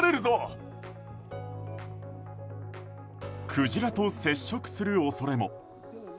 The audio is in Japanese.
クジラと接触する恐れも。